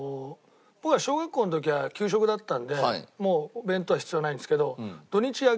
僕は小学校の時は給食だったんでもう弁当は必要ないんですけど。